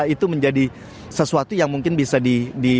itu menjadi sesuatu yang mungkin bisa di